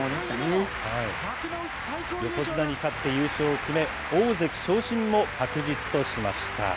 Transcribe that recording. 横綱に勝って優勝を決め、大関昇進も確実としました。